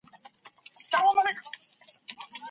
زه به مځکي ته کتلې وي.